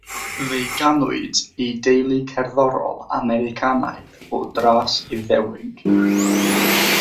Fe'i ganwyd i deulu cerddorol Americanaidd o dras Iddewig.